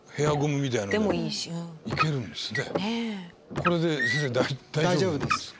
これで先生大丈夫なんですか？